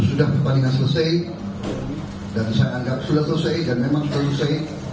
sudah pertandingan selesai dan saya anggap sudah selesai dan memang selesai